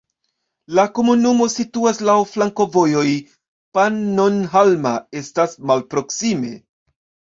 La komunumo situas laŭ flankovojoj, Pannonhalma estas proksime.